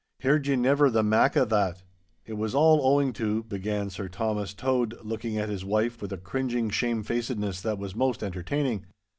Heard ye ever the mak' o' that?' 'It was all owing to—' began Sir Thomas Tode, looking at his wife with a cringing shamefacedness that was most entertaining.